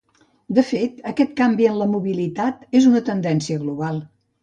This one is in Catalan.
De fet, aquest canvi en la mobilitat és una tendència global.